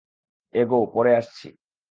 এগোও, পরে আসছি।